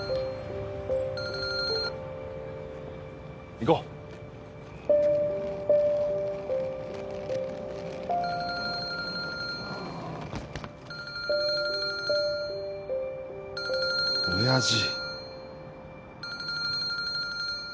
行こう親父